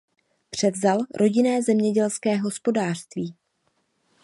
Převzal rodinné zemědělské hospodářství.